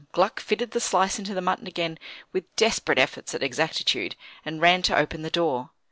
Gluck fitted the slice into the mutton again, with desperate efforts at exactitude, and ran to open the door.